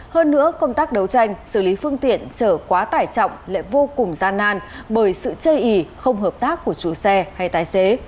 hơn nữa công tác đấu tranh xử lý phương tiện chở quá tải trọng lại vô cùng gian nan bởi sự chây ị không hợp tác của chú xe hay tái xế